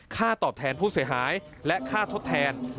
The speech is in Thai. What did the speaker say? ค่าตอบแทนผู้เสียหายและค่าทดแทน